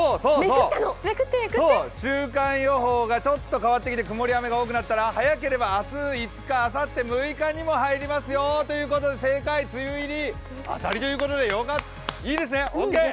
週間予報がちょっと変わってきて、くもり、雨が多くなったら速ければ明日、あさって６日にも入りますよということで、正解、梅雨入り、当たりということでいいですね、オーケー！